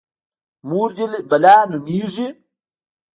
_مور دې بلا نومېږي؟